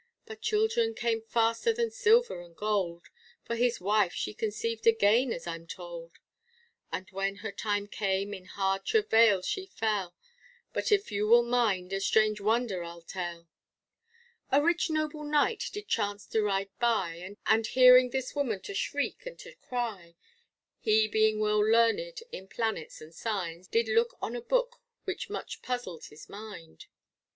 But children came faster than silver or gold, For his wife she conceived again as I'm told, And when her time came in hard travail she fell, But if you will mind, a strange wonder I'll tell; A rich noble knight did chance to ride by, And hearing this woman to shriek and to cry, He being well learned in planets and signs, Did look on a book which much puzzled his mind.